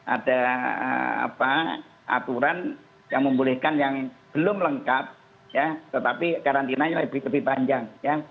ada apa aturan yang membolehkan yang belum lengkap ya tetapi karantinanya lebih lebih panjang ya